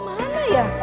emang mereka kemana ya